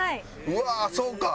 うわあそうか。